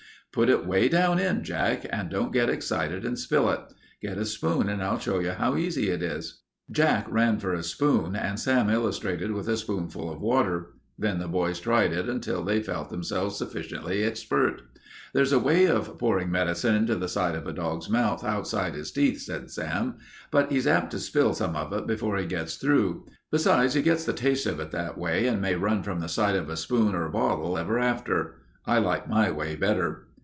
Put it way down in, Jack, and don't get excited and spill it. Get a spoon and I'll show you how easy it is." Jack ran for a spoon and Sam illustrated with a spoonful of water. Then the boys tried it until they felt themselves sufficiently expert. "There's a way of pourin' medicine into the side of a dog's mouth outside his teeth," said Sam, "but he's apt to spill some of it before he gets through. Besides, he gets the taste of it that way, and may run from the sight of a spoon or a bottle ever after. I like my way better."